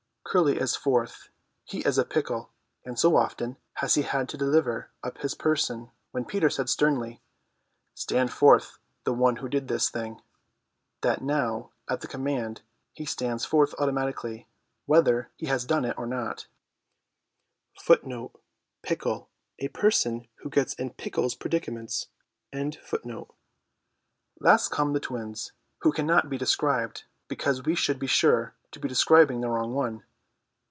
Curly is fourth; he is a pickle, and so often has he had to deliver up his person when Peter said sternly, "Stand forth the one who did this thing," that now at the command he stands forth automatically whether he has done it or not. Last come the Twins, who cannot be described because we should be sure to be describing the wrong one.